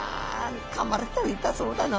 かまれたら痛そうだな。